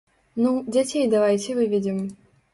Ну, дзяцей давайце выведзем.